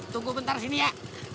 tunggu bentar sini ya